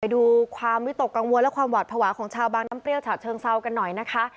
ดูความวิตกกังวลและความหวาดภาวะของชาวบางน้ำเปรี้ยวฉะเชิงเซากันหน่อยนะคะ